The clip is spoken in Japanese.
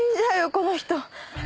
この人。